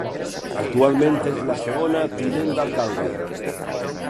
Actualment és la segona tinent d'alcalde.